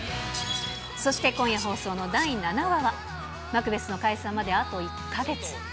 そして今夜放送の第７話は、マクベスの解散まであと１か月。